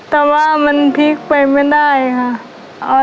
แต่ว่ามันพลิกไปไม่ได้ค่ะ